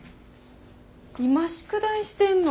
今宿題してんの？